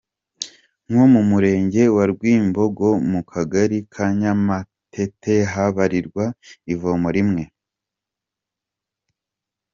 Nko mu murenge wa Rwimboga mu kagari ka Nyamatete habarirwa ivomo rimwe.